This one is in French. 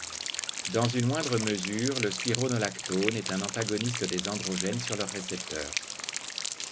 Dans une moindre mesure la spironolactone est un antagoniste des androgènes sur leur récepteur.